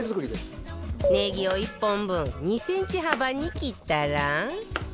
ネギを１本分２センチ幅に切ったら